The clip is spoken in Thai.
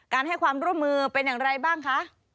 ให้ความร่วมมือเป็นอย่างไรบ้างคะ